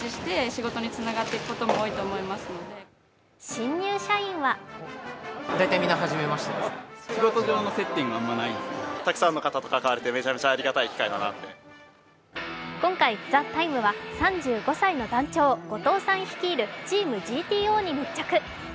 新入社員は今回、「ＴＨＥＴＩＭＥ，」は３５歳の団長後藤さん率いるチームＧＴＯに密着。